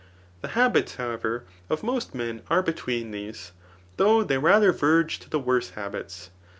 The habits, how ever, of most men are between these, though they radier verge to the worse habits.